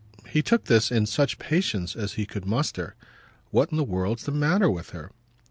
He took this in such patience as he could muster. "What in the world's the matter with her?"